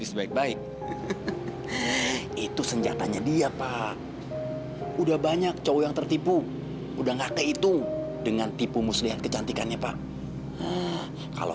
sampai jumpa di video selanjutnya